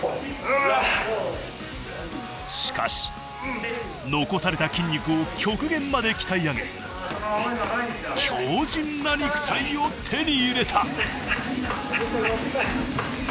しかし残された筋肉を極限まで鍛え上げ強じんな肉体を手に入れた。